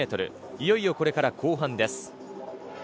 いよいよこれから後半です。